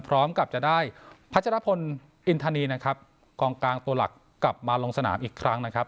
พร้อมกับจะได้พัชรพลอินทานีนะครับกองกลางตัวหลักกลับมาลงสนามอีกครั้งนะครับ